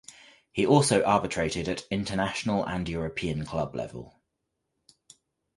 He also arbitrated at international and European club level.